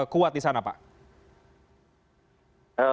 kuat di sana pak